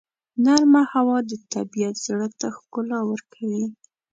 نرمه هوا د طبیعت زړه ته ښکلا ورکوي.